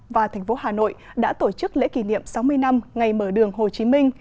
và thành phố hà nội đã tổ chức lễ kỷ niệm sáu mươi năm ngày mở đường hồ chí minh